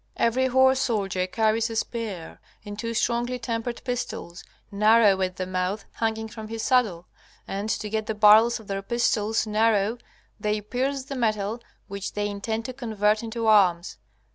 Every horse soldier carries a spear and two strongly tempered pistols, narrow at the mouth, hanging from his saddle. And to get the barrels of their pistols narrow they pierce the metal which they intend to convert into arms.